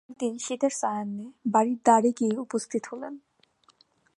এবং একদিন শীতের সায়াহ্নে বাড়ির দ্বারে গিয়া উপস্থিত হইলেন।